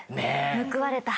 報われた。